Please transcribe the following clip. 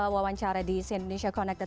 wawancara di si indonesia connected